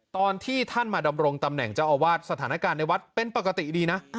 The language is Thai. ตอนที่ท่านมาดำรงตำแหน่งเจ้าอาวาสสถานการณ์ในวัดเป็นปกติดีนะ